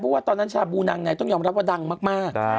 เพราะว่าตอนนั้นชาบูนางในต้องยอมรับว่าดังมาก